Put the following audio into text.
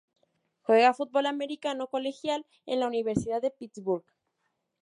Jugó fútbol americano colegial en la Universidad de Pittsburgh.